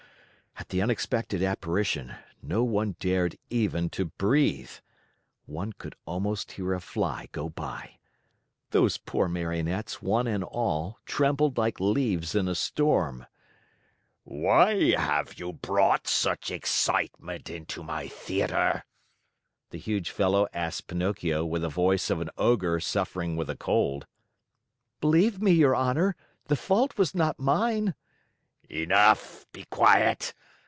At the unexpected apparition, no one dared even to breathe. One could almost hear a fly go by. Those poor Marionettes, one and all, trembled like leaves in a storm. "Why have you brought such excitement into my theater;" the huge fellow asked Pinocchio with the voice of an ogre suffering with a cold. "Believe me, your Honor, the fault was not mine." "Enough! Be quiet!